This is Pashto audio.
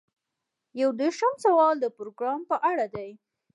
یو دېرشم سوال د پروګرام په اړه دی.